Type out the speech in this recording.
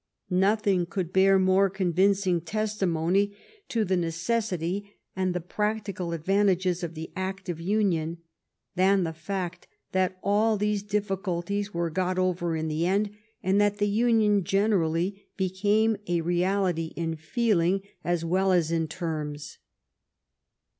Nothing could bear more convincing testimony to the necessity and the practical advantages of the act of union than the fact that all these difficulties were got over in the end, and that the union gradually became a reality in feeling as 263 THE REIGN OF QUEEN ANNE well as in terms.